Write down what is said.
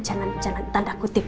jalan jalan tanda kutip